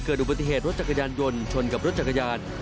อุบัติเหตุรถจักรยานยนต์ชนกับรถจักรยาน